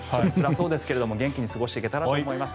そうですけども元気に過ごしていけたらと思います。